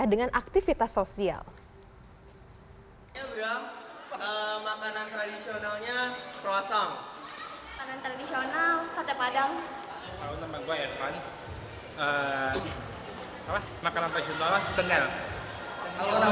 dengan aktivitas sosial makanan tradisionalnya perasaan tradisional sada padang makanan makanan